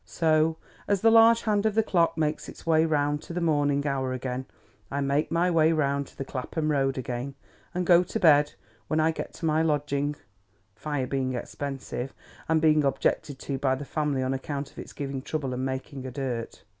So, as the large hand of the clock makes its way round to the morning hour again, I make my way round to the Clapham Road again, and go to bed when I get to my lodging—fire being expensive, and being objected to by the family on account of its giving trouble and making a dirt.